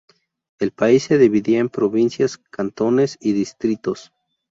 El país se dividía en provincias, cantones y distritos.